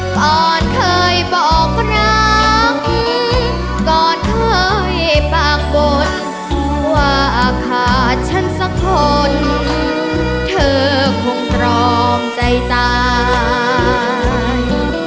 ก่อนเคยบอกรักก่อนเคยปากบนว่าขาดฉันสักคนเธอคงตรอมใจตาย